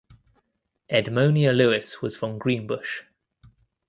Edmonia Lewis was from Greenbush.